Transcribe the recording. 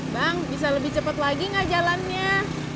bang bisa lebih cepet lagi nggak jalannya